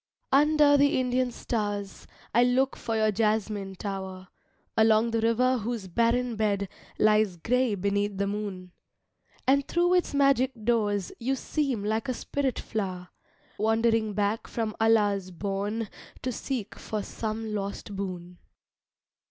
Under the Indian stars I look for your Jasmine Tower, Along the River whose barren bed Lies gray beneath the moon. And thro its magic doors You seem like a spirit flower, Wandering back from Allah's bourne To seek for some lost boon.